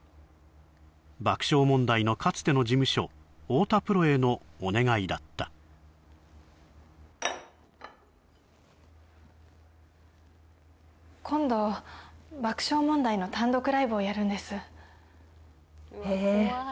爆笑問題のかつての事務所だった今度爆笑問題の単独ライブをやるんですへえ